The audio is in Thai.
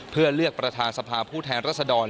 เพื่อเลือกประธานสภาผู้แทนรัศดร